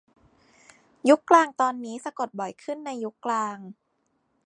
ยุคกลางตอนนี้สะกดบ่อยขึ้นในยุคกลาง